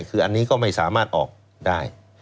คืออันนี้ก็ไม่สามารถออกได้